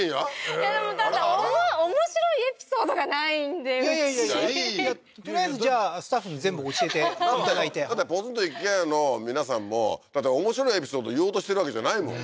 いやでもただ面白いエピソードがないんでいやいやいやいやとりあえずじゃあスタッフに全部教えていただいてだってポツンと一軒家の皆さんも面白いエピソード言おうとしてるわけじゃないもん